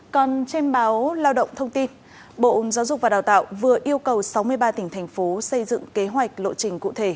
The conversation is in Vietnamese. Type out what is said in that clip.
còn trên báo lao động thông tin bộ giáo dục và đào tạo vừa yêu cầu sáu mươi ba tỉnh thành phố xây dựng kế hoạch lộ trình cụ thể